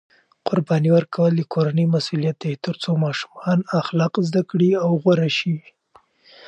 قرباني ورکول د کورنۍ مسؤلیت دی ترڅو ماشومان اخلاق زده کړي او غوره شي.